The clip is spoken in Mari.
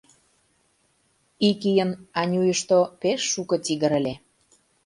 Ик ийын Анюйышто пеш шуко тигр ыле.